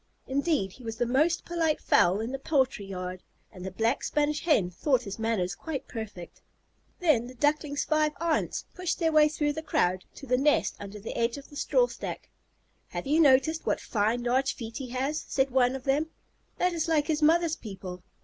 Indeed, he was the most polite fowl in the poultry yard, and the Black Spanish Hen thought his manners quite perfect. Then the Duckling's five aunts pushed their way through the crowd to the nest under the edge of the strawstack. "Have you noticed what fine large feet he has?" said one of them. "That is like his mother's people.